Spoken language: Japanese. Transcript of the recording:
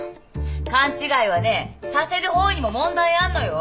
勘違いはねさせる方にも問題あんのよ。